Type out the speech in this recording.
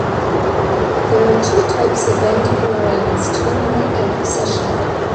There are two types of end moraines: terminal and recessional.